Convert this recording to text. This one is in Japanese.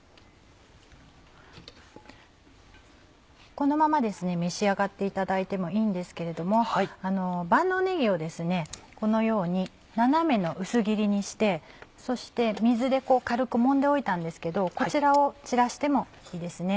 このまま召し上がっていただいてもいいんですけれども万能ねぎをこのように斜めの薄切りにしてそして水で軽くもんでおいたんですけどこちらを散らしてもいいですね。